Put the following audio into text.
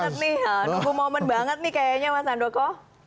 nunggu moment banget nih kayaknya mas sandoko